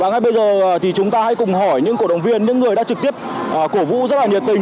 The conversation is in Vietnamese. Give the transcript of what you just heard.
ngay bây giờ thì chúng ta hãy cùng hỏi những cổ động viên những người đã trực tiếp cổ vũ rất là nhiệt tình